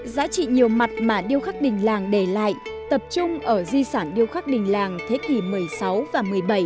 giá trị nhiều mặt mà điêu khắc đình làng để lại tập trung ở di sản điêu khắc đình làng thế kỷ một mươi sáu và một mươi bảy